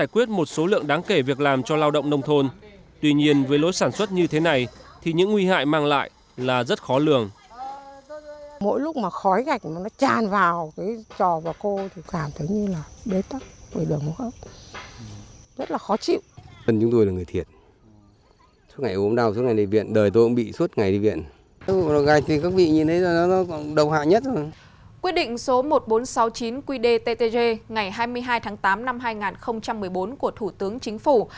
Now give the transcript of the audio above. quyết định số một nghìn bốn trăm sáu mươi chín qdttg ngày hai mươi hai tháng tám năm hai nghìn một mươi bốn của thủ tướng chính phủ